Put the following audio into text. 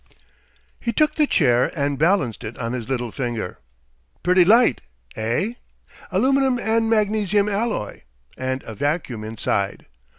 He took the chair and balanced it on his little finger. "Pretty light, eh? Aluminium and magnesium alloy and a vacuum inside.